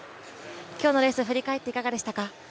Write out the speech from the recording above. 今日のレース振り返って、いかがでしたか。